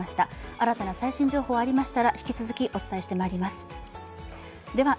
新たな最新情報がありましたら引き続きお伝えしてまいります。